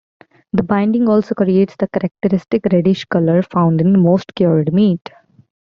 The binding also creates the characteristic reddish color found in most cured meat.